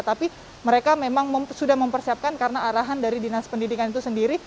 tapi mereka memang sudah mempersiapkan karena arahan dari dinas pendidikan itu sendiri